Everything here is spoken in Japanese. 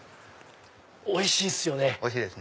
おいしいですよね！